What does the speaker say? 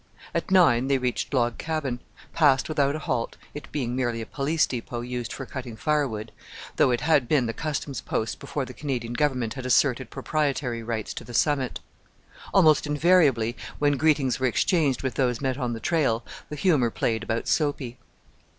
At nine they reached Log Cabin passed without a halt, it being merely a police depot used for cutting firewood, though it had been the Customs post before the Canadian Government had asserted proprietary rights to the summit. Almost invariably, when greetings were exchanged with those met on the trail, the humour played about Soapy.